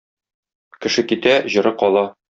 Кеше китә - җыры кала.